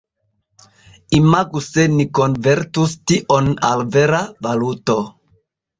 Imagu se ni konvertus tion al vera valuto.